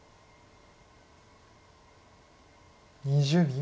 ２０秒。